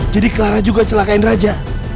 jadi clara juga selakain raja